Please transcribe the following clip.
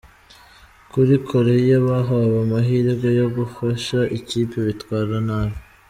kuri Koreya bahawe amahirwe yo gufasha ikipe bitwara nabi.